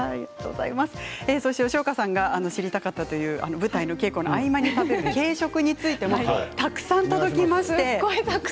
吉岡さんが知りたかったという舞台の稽古の合間に食べる軽食についてもたくさん届きました。